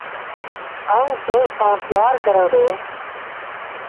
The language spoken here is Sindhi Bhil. آئوٚݩ تو سآݩ پيآر ڪرآݩ دو۔